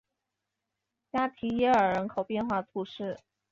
加提耶尔人口变化图示